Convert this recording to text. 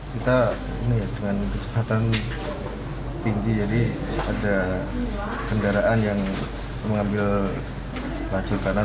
kita dengan kecepatan tinggi jadi ada kendaraan yang mengambil lajur kanan